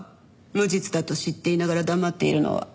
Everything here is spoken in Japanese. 無実だと知っていながら黙っているのは。